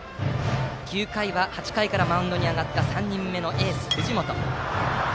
９回は８回からマウンドに上がった３人目のエース、藤本。